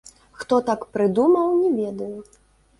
Хто так прыдумаў, не ведаю.